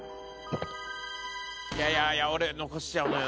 いやいや俺残しちゃうのよね。